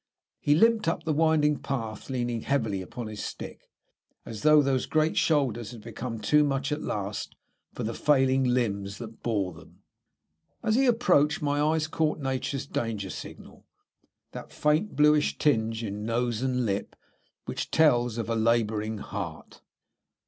He limped up the winding path leaning heavily upon his stick, as though those great shoulders had become too much at last for the failing limbs that bore them. As he approached, my eyes caught Nature's danger signal, that faint bluish tinge in nose and lip which tells of a labouring heart.